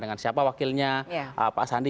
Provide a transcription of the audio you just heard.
dengan siapa wakilnya pak sandi